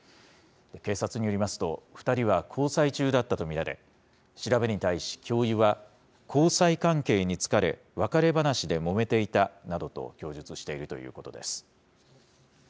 警察によりますと、２人は交際中だったと見られ、調べに対し教諭は、交際関係に疲れ、別れ話でもめていたなどと供述しているということです。